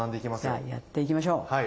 じゃあやっていきましょう。